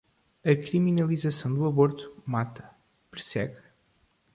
A criminalização do aborto mata, persegue